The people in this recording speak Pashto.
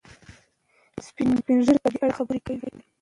سپین ږیري په دې اړه خبرې کوي.